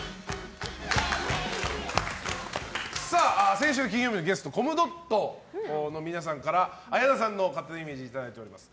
先週の金曜日のゲストコムドットの皆さんから綾菜さんの勝手なイメージいただいております。